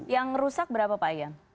yang rusak berapa pak ian